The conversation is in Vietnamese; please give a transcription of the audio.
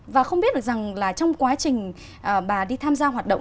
và không biết được rằng là trong quá trình bà đi tham gia hoạt động